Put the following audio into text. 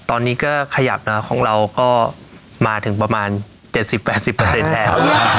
ตอนนี้ก็ขยับมาของเราก็มาถึงประมาณ๗๐๘๐แล้ว